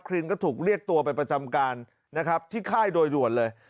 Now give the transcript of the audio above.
รีนก็ถูกเรียกตัวไปประจำการนะครับที่ค่ายโดยด่วนเลย